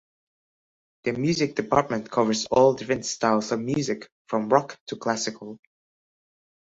The Music Department covers all different styles of music-from rock to classical.